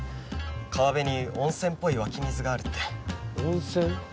川辺に温泉っぽい湧き水があるって温泉？